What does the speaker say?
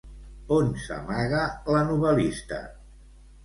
On s'amaga la novel·lista?